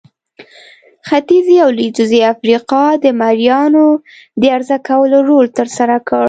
ختیځې او لوېدیځې افریقا د مریانو د عرضه کولو رول ترسره کړ.